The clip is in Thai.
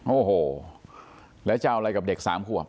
โอ้โหแล้วจะเอาอะไรกับเด็กสามขวบ